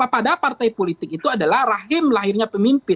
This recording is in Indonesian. padahal partai politik itu adalah rahim lahirnya pemimpin